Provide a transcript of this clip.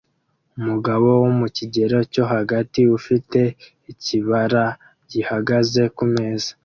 Umugabo wo mu kigero cyo hagati ufite ikibara gihagaze kumeza